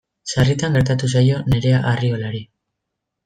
Sarritan gertatu zaio Nerea Arriolari.